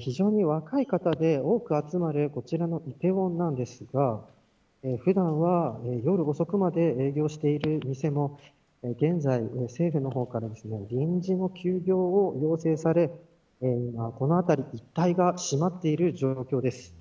非常に若い方で多く集まるこちらの梨泰院ですが普段は夜遅くまで営業している店も、現在は政府の方から臨時の休業を要請されこの辺り一帯が閉まっている状況です。